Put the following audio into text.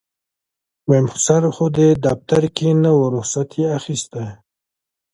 ويم خسر خو دې دفتر کې نه و رخصت يې اخېستی.